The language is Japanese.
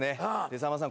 さんまさん